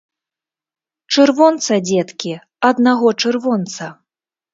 Чырвонца, дзеткі, аднаго чырвонца!